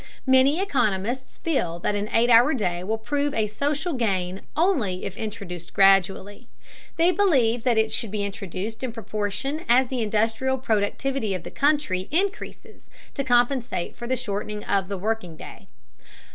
Many economists feel that an eight hour day will prove a social gain only if introduced gradually. They believe that it should be introduced in proportion as the industrial productivity of the country increases to compensate for the shortening of the working day.